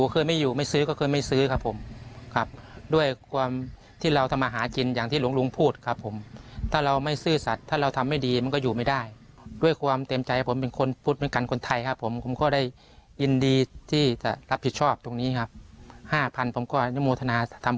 คราวนี้เตือนฝนตกด้วยผมก็ได้รีบขึ้นรถ